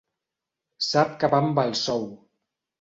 Sap que va amb el sou.